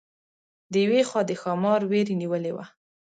د یوې خوا د ښامار وېرې نیولې وه.